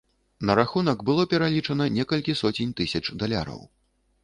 На рахунак было пералічана некалькі соцень тысяч даляраў.